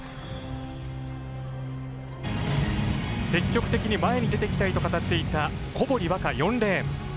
積極的に前に出ていきたいと語っていた小堀倭加、４レーン。